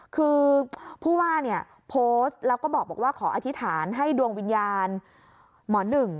คือผู้ว่าเนี่ยโพสต์แล้วก็บอกว่าขออธิษฐานให้ดวงวิญญาณหมอหนึ่ง